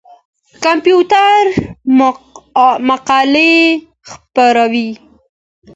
کمپيوټر مقالې خپروي.